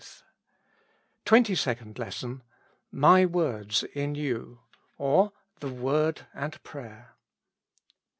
174 TWENTY SECOND LESSON. My words in you ;or, The Word and Prayer.